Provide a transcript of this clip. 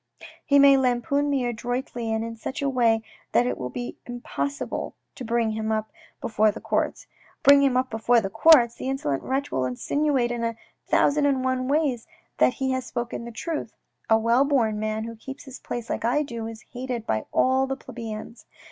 He may lampoon me adroitly and in such a way that it will be impossible to bring him up before the courts. Bring him up before the courts ! The insolent wretch will insinuate in a thousand and one ways that he has spoken the truth. A well born man who keeps his place like I do, is hated by all the plebeians.